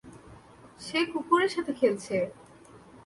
সে কুকুরের সাথে খেলছে।